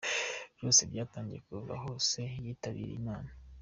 Byose byatangiye kuva aho se yitabiye Imana.